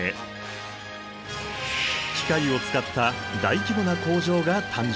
機械を使った大規模な工場が誕生。